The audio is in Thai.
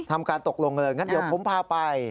ทำการตกลงเลยงั้นเดี๋ยวผมพาไป